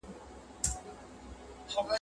ستا په دې زاړه درمل به کله په زړه ښاد سمه ..